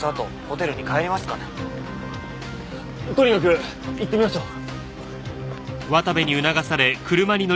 とにかく行ってみましょう。